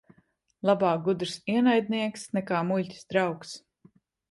Labāk gudrs ienaidnieks nekā muļķis draugs.